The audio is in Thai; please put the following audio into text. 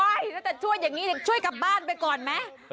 โอ๊ยถ้าจะช่วยอย่างนี้ช่วยกลับบ้านไปก่อนไหม